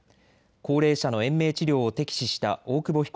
高齢者の延命治療を敵視した大久保被告